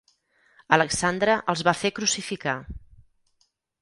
Alexandre els va fer crucificar.